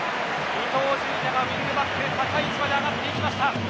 伊東純也が高い位置まで上がっていきました。